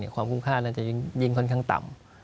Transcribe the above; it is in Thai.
ความคุ้มค่านั้นจะยิ่งค่อนข้างต่ำ